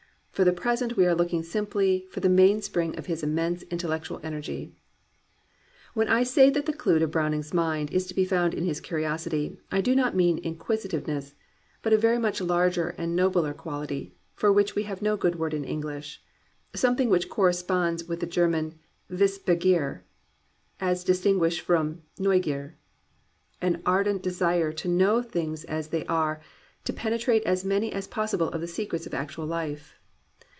For the present we are looking simply for the mainspring of his immense intellec tual energy. When I say that the clew to Browning's mind is to be found in his curiosity, I do not mean inquisi tiveness, but a very much larger and nobler quality, for which we have no good word in English, — some thing which corresponds with the German Wiss begieTy as distinguished from Neugier: an ardent desire to know things as they are, to penetrate as many as possible of the secrets of actual life.